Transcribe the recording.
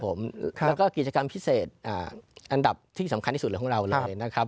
แล้วก็กิจกรรมพิเศษอันดับที่สำคัญที่สุดเลยของเราเลยนะครับ